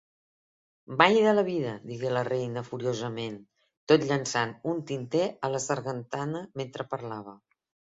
'Mai de la vida!', digué la reina furiosament, tot llançant un tinter a la sargantana mentre parlava.